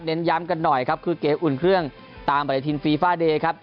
ย้ำกันหน่อยครับคือเกมอุ่นเครื่องตามปฏิทินฟีฟาเดย์ครับ